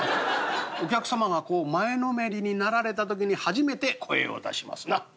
お客様がこう前のめりになられた時に初めて声を出しますな。